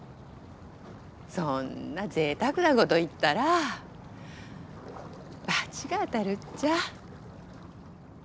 そんなぜいたくなこと言ったらバチが当たるっちゃ。